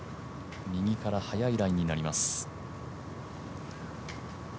右から速いラインになります。